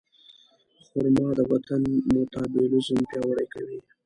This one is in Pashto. خرما د بدن میتابولیزم پیاوړی کوي.